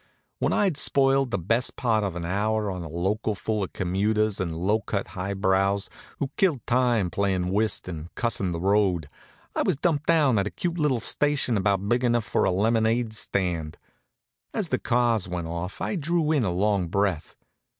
When I'd spoiled the best part of an hour on a local full of commuters and low cut high brows, who killed time playin' whist and cussin' the road, I was dumped down at a cute little station about big enough for a lemonade stand. As the cars went off I drew in a long breath.